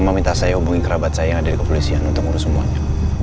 meminta saya hubungi kerabat saya yang ada di kepolisian untuk ngurus semuanya